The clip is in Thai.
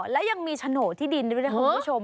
และยังมีโฉนดที่ดินด้วยนะคุณผู้ชม